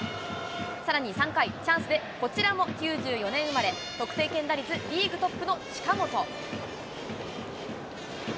さらに３回、チャンスでこちらも９４年生まれ、得点圏打率リーグトップの近本。